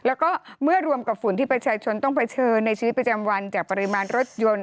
แล้วก็เมื่อรวมกับฝุ่นที่ประชาชนต้องเผชิญในชีวิตประจำวันจากปริมาณรถยนต์